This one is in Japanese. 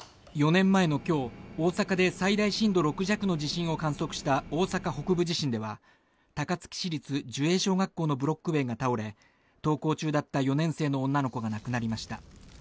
４年前の今日、大阪で最大震度６弱の地震を観測した大阪北部地震では高槻市立寿栄小学校のブロック塀が倒れ登校中だった４年生の女の子が亡くなりました。